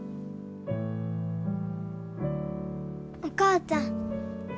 お母ちゃん。